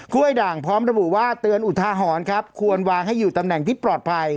้วยด่างพร้อมระบุว่าเตือนอุทาหรณ์ครับควรวางให้อยู่ตำแหน่งที่ปลอดภัย